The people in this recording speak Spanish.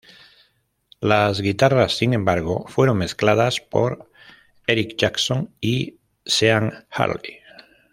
Las guitarras, sin embargo, fueron mezcladas por Eric Jackson y Sean Hurley.